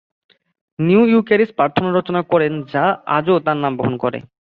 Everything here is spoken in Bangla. তিনি ইউক্যারিস্ট প্রার্থনা রচনা করেন যা আজও তাঁর নাম বহন করে।